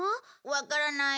わからない。